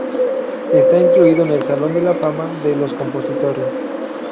Está incluido en el Salón de la Fama de los Compositores.